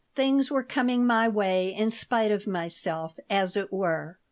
Things were coming my way in spite of myself, as it were.